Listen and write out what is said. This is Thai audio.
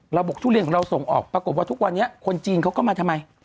บอกทุเรียนของเราส่งออกปรากฏว่าทุกวันนี้คนจีนเขาก็มาทำไม